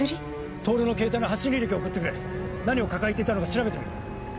透のケータイの発信履歴を送ってくれ何を抱えていたのか調べてみる。